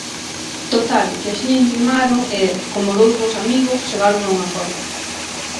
Total, que axiña intimaron e, como dous bos amigos, chegaron a un acordo;